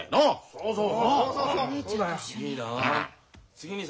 そうそう。